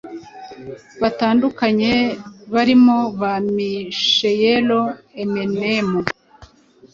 batandukanye barimo ba Michaelo Eminem,